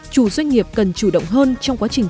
chủ doanh nghiệp cần chủ động hơn trong quá trình